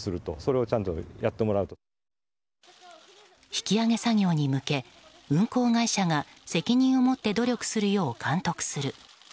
引き上げ作業に向け運航会社が責任を持って努力するよう監督する。